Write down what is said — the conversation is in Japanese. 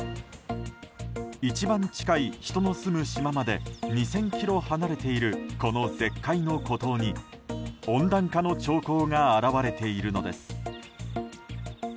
一番近い、人の住む島まで２０００ｋｍ離れているこの絶海の孤島に温暖化の兆候が表れているのです。